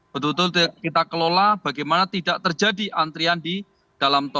betul betul kita kelola bagaimana tidak terjadi antrian di dalam tol